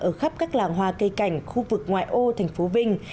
ở khắp các làng hoa cây cảnh khu vực ngoại ô thành phố vinh